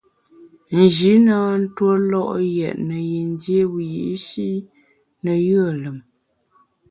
Nji na ntue lo’ yètne yin dié wiyi’shi ne yùe lùm.